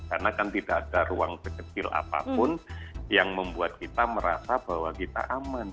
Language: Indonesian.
karena kan tidak ada ruang kekecil apapun yang membuat kita merasa bahwa kita aman